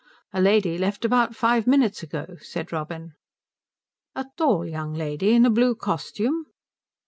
"A lady left about five minutes ago," said Robin. "A tall young lady in a blue costume?"